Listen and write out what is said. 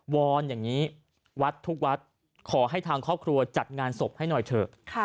อนอย่างนี้วัดทุกวัดขอให้ทางครอบครัวจัดงานศพให้หน่อยเถอะ